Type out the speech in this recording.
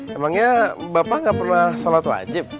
emangnya bapak nggak pernah sholat wajib